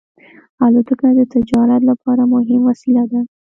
الوتکه د تجارت لپاره مهمه وسیله ده.